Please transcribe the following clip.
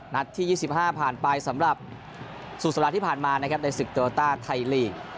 นัดที่๒๕ผ่านไปสำหรับสู่สัปดาห์ที่ผ่านมาในสิกเตอร์โอต้าไทยลีก